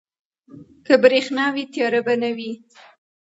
که برښنا وي، تیاره به نه وي.